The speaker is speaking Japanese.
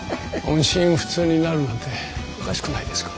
音信不通になるなんておかしくないですか。